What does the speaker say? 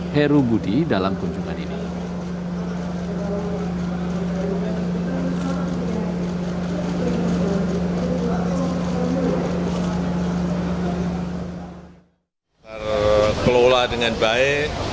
heru budi dalam kunjungan ini